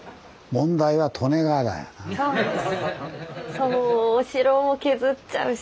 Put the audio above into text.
そうお城も削っちゃうし。